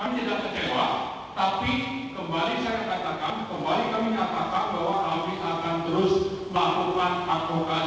kami tidak kecewa tapi kembali saya katakan kembali kami nyatakan bahwa kami akan terus melakukan advokasi yang berkelanjutan